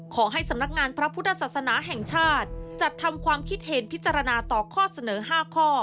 ขอให้สำนักงานพระพุทธศาสนาแห่งชาติจัดทำความคิดเห็นพิจารณาต่อข้อเสนอ๕ข้อ